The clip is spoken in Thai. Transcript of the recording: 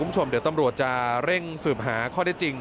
คุณผู้ชมเดี๋ยวตำรวจจะเร่งสืบหาข้อได้จริง